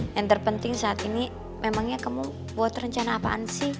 yang terpenting saat ini memangnya kamu buat rencana apaan sih